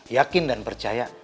yakin dan percaya